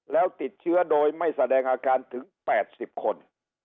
แล้วติดเชื้อโดยไม่แสดงอาการถึง๘๐คน